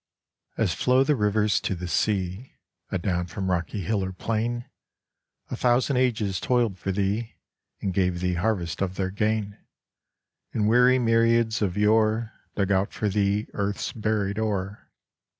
AS flow the rivers to the sea Adown from rocky hill or plain, A thousand ages toiled for thee And gave thee harvest of their gain ; And weary myriads of yore Dug out for thee earth's buried ore.